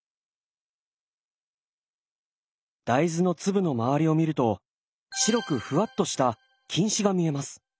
大豆の粒の周りを見ると白くふわっとした菌糸が見えます。